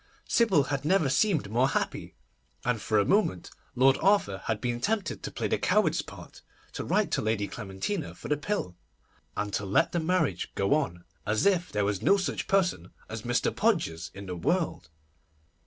Sybil had never seemed more happy, and for a moment Lord Arthur had been tempted to play the coward's part, to write to Lady Clementina for the pill, and to let the marriage go on as if there was no such person as Mr. Podgers in the world.